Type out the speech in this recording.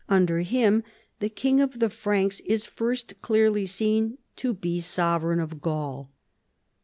Under him the king of the Franks is first clearly seen to be sovereign of Gaul.